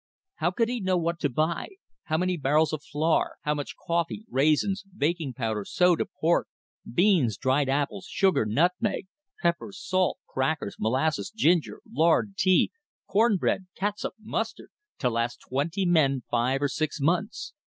How could he know what to buy, how many barrels of flour, how much coffee, raisins, baking powder, soda, pork, beans, dried apples, sugar, nutmeg, pepper, salt, crackers, molasses, ginger, lard, tea, corned beef, catsup, mustard, to last twenty men five or six months?